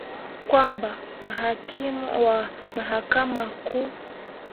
kwamba mahakimu wa Mahakama Kuu